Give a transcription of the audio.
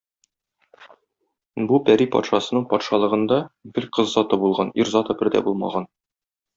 Бу пәри патшасының патшалыгында гел кыз заты булган, ир заты бер дә булмаган.